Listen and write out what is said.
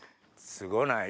すごない？